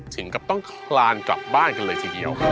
ถึงกับต้องคลานกลับบ้านกันเลยทีเดียว